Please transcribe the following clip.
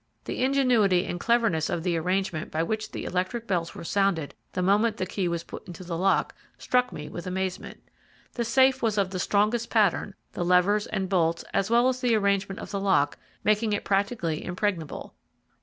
The ingenuity and cleverness of the arrangement by which the electric bells were sounded the moment the key was put into the lock struck me with amazement. The safe was of the strongest pattern; the levers and bolts, as well as the arrangement of the lock, making it practically impregnable.